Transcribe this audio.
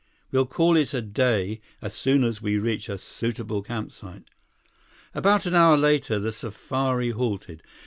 We'll call it a day as soon as we reach a suitable campsite." About an hour later, the safari halted.